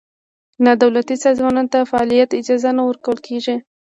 نا دولتي سازمانونو ته د فعالیت اجازه نه ورکول کېږي.